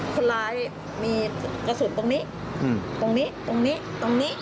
คนร้ายมีกระสุนตรงนี้อืมตรงนี้ตรงนี้ตรงนี้